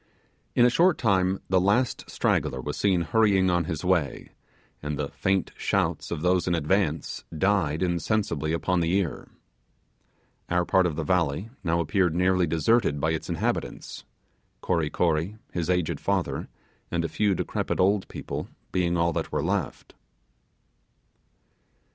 In a short time the last straggler was seen hurrying on his way, and the faint shouts of those in advance died insensibly upon the ear. Our part of the valley now appeared nearly deserted by its inhabitants, Kory Kory, his aged father, and a few decrepit old people, being all that were left.